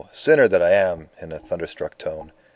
Sinner that I am!" in a thunderstruck tone.